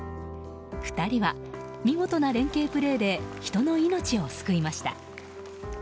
２人は見事な連係プレーで人の命を救いました。